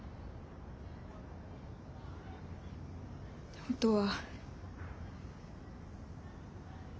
本当は。